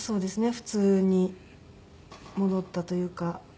普通に戻ったというか。